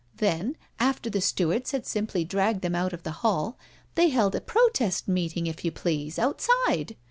Then, after the stewards had simply dragged them out of the hall, they held a protest meeting, if you please, outside.